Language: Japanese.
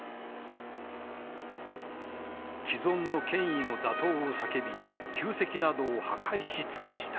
既存の権威の打倒を叫び旧跡などを破壊し尽くした。